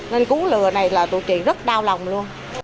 nên cú lừa này là tụi chị rất đau lòng luôn